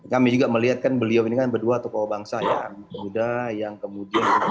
kami juga melihat kan beliau ini kan berdua tokoh bangsa ya anak muda yang kemudian